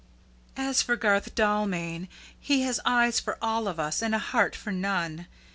As for Garth Dalmain, he has eyes for all of us and a heart for none.